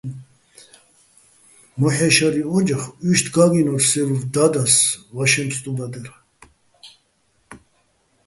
მოჰ̦ე́ შარიჼ ო́ჯახ, უჲშტი̆ გა́გჲინორ სე და́დას ვაშეჼ ფსტუბადერ.